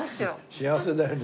幸せだよね。